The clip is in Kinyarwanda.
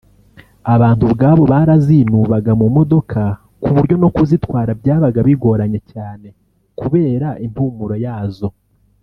abantu ubwabo barazinubaga mu modoka ku buryo no kuzitwara byabaga bigoranye cyane kubera impumuro yazo